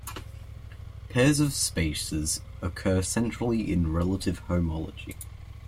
Pairs of spaces occur centrally in relative homology.